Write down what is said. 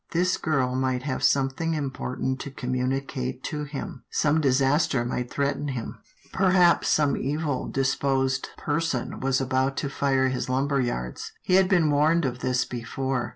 This girl might have some thing important to communicate to him. Some disaster might threaten him. Perhaps some evil A CALL ON THE MERCHANT 57 disposed person was about to fire his lumber yards. He had been warned of this before.